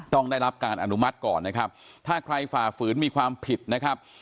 ต้องได้รับการอนุมัติก่อนนะครับถ้าใครฝ่าฝืนมีความผิดนะครับ